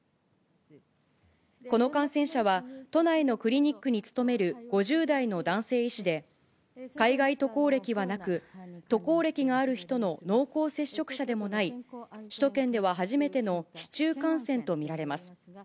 この感染者は、都内のクリニックに勤める５０代の男性医師で、海外渡航歴はなく、渡航歴がある人の濃厚接触者でもない、首都圏では初めての市中感染と見られます。